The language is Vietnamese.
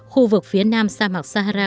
khu vực phía nam sa mạc sahara